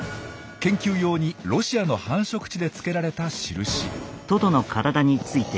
研究用にロシアの繁殖地でつけられた印。